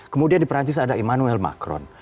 kemudian di perancis ada emmanuel macron